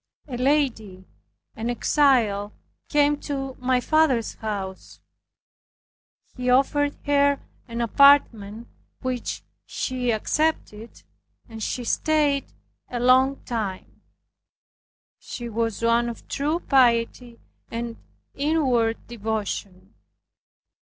A lady, an exile, came to my father's house. He offered her an apartment which she accepted, and she stayed a long time. She was one of true piety and inward devotion.